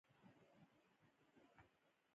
چې وسپېدو ته رارسیږې کنه؟